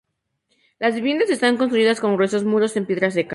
Las viviendas están construidas con gruesos muros en piedra seca.